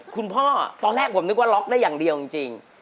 คุณพ่อตอนแรกผมนึกว่าล็อกได้อย่างเดียวจริง